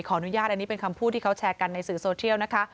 ขออนุญาตอันนี้เป็นคำพูดที่เขาแชร์กันในสื่อโซเทียลนะคะ